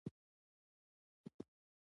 آیا د جومات جوړول په اشر نه کیږي؟